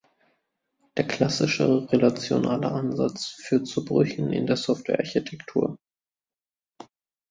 Der klassische relationale Ansatz führt zu Brüchen in der Softwarearchitektur.